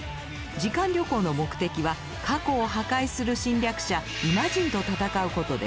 時間旅行の目的は過去を破壊する侵略者イマジンと戦うことです。